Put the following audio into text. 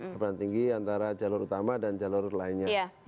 kepada tinggi antara jalur utama dan jalur lainnya